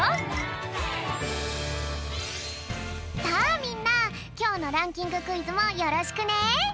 さあみんなきょうのランキングクイズもよろしくね！